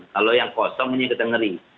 kalau yang kosong ini kita ngeri